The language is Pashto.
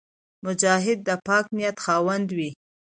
مجاهد د پاک نیت خاوند وي.